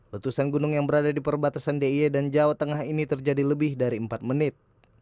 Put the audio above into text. letusan gunung yang berada di perbatasan d i e dan jawa tengah ini terjadi lebih dari empat menit